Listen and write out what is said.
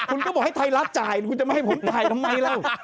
คุณก็บอกให้ไทรลักษณ์จ่ายแต่ว่าคุณจะไม่ให้ผมดูจ่ายทำไม